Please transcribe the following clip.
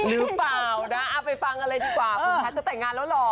หรือเปล่านะเอาไปฟังกันเลยดีกว่าคุณแพทย์จะแต่งงานแล้วเหรอ